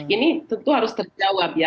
ini tentu harus terjawab ya